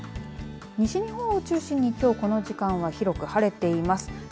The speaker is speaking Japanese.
西日本を中心にきょうこの時間は広く晴れています。